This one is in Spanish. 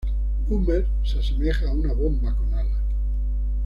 Boomer se asemeja a una bomba con alas.